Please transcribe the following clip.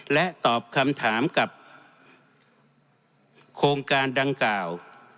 และตอบคำถามกับโครงการดังกล่าว